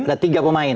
ada tiga pemain